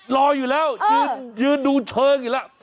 รออยู่แล้วยืนดูเชิงอยู่แล้ว